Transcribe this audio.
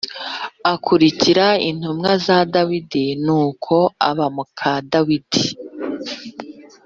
akurikira intumwa za Dawidi. Nuko aba muka Dawidi.